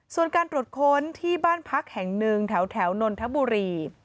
ส่วนการตรวจค้นที่บ้านพักแห่งหนึ่งแถวนนทบุรี